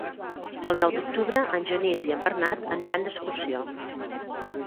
El nou d'octubre en Genís i en Bernat aniran d'excursió.